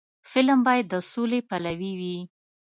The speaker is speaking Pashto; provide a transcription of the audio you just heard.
فلم باید د سولې پلوي وي